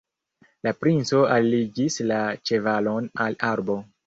La princo alligis la ĉevalon al arbo.